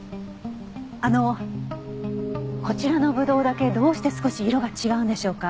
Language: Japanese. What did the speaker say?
あのこちらのぶどうだけどうして少し色が違うんでしょうか？